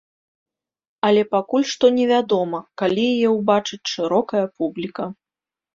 Але пакуль што невядома, калі яе ўбачыць шырокая публіка.